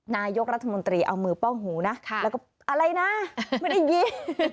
นายกรัฐมนตรีเอามือป้องหูนะแล้วก็อะไรนะไม่ได้ยิง